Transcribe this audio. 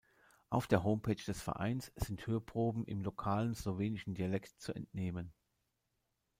Auf der Homepage des Vereins sind Hörproben im lokalen slowenischen Dialekt zu entnehmen.